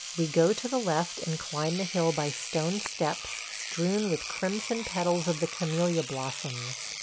We go to the left and climb the hill by stone steps strewn with crimson petals of the camellia blossoms.